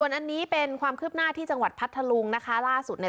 อันนี้เป็นความคืบหน้าที่จังหวัดพัทธลุงนะคะล่าสุดเนี่ย